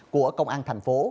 sáu mươi tám của công an tp hcm